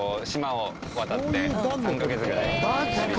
マジか！